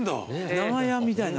長屋みたいな。